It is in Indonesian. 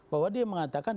bahwa dia mengatakan